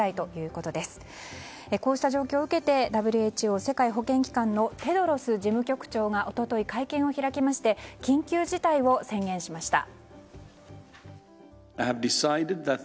こうした状況を受けてＷＨＯ・世界保健機関のテドロス事務局長が一昨日会見を開いて緊急事態を宣言しました。